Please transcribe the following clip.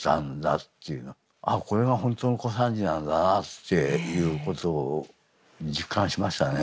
あっこれが本当の小三治なんだなっていうことを実感しましたね。